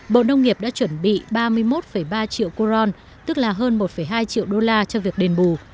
bộ nông nghiệp đã chuẩn bị ba mươi một ba triệu kuron cho việc đền bù